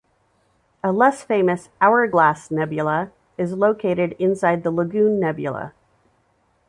A less-famous "Hourglass Nebula" is located inside the Lagoon Nebula.